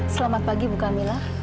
selamat pagi bu kamila